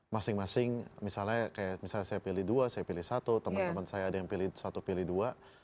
masing masing misalnya kayak misalnya saya pilih dua saya pilih satu teman teman saya ada yang pilih satu pilih dua